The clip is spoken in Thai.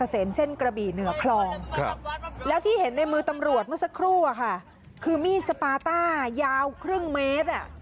ใส่ไว้บ้านเหลือก่อน